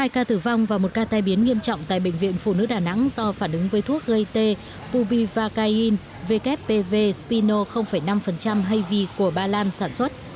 hai ca tử vong và một ca tai biến nghiêm trọng tại bệnh viện phụ nữ đà nẵng do phản ứng với thuốc gai t bupi và cain wpv spino năm hay v của ba lam sản xuất